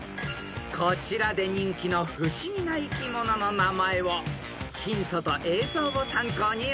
［こちらで人気の不思議な生き物の名前をヒントと映像を参考にお答えください］